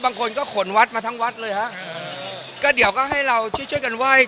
บางคนก็ขนวัดมาทั้งวัดเลยฮะก็เดี๋ยวก็ให้เราช่วยช่วยกันไหว้